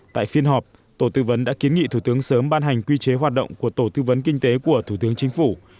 tại phiên họp tổ tư vấn đã kiến nghị thủ tướng sớm ban hành quy chế hoạt động của tổ tư vấn kinh tế của thủ tướng chính phủ